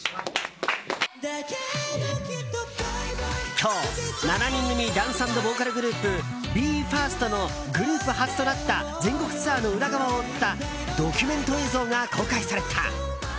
今日、７人組ダンス＆ボーカルグループＢＥ：ＦＩＲＳＴのグループ初となった全国ツアーの裏側を追ったドキュメント映像が公開された。